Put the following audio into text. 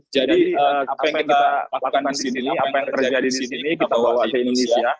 jadi apa yang kita lakukan di sini apa yang terjadi di sini kita bawa ke indonesia